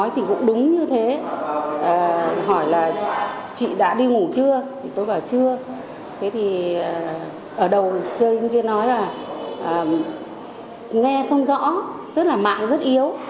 thế thì ở đầu xưa anh kia nói là nghe không rõ tức là mạng rất yếu